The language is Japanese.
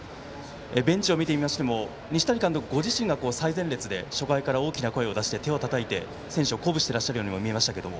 ベンチを見ていましても西谷監督ご自身が最前列で初回から大きな声を出して手をたたいて選手を鼓舞しているように見えましたが。